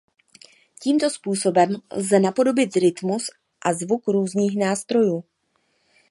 Tímto způsobem lze napodobit rytmus a zvuk různých nástrojů.